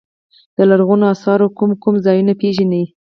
د لرغونو اثارو کوم کوم ځایونه پيژنئ.